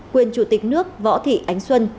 quyền chủ tịch nước võ thị ánh xuân